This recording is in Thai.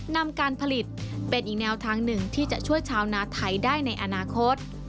นำการผลิตเป็นอีกแนวทางหนึ่งที่จะช่วยชาวนาไทยได้ในอนาคต